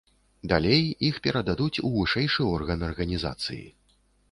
Далей іх пададуць у вышэйшы орган арганізацыі.